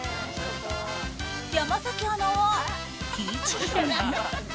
山崎アナはピーチ姫？